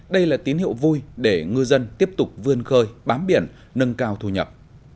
đây là tín hiệu vui để ngư dân tiếp tục vươn khơi bám biển nâng cao thu nhập